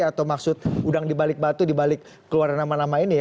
atau maksud udang dibalik batu dibalik keluar nama nama ini ya